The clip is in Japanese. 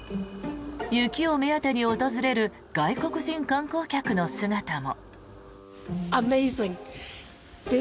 雪を目当てに訪れる外国人観光客の姿も。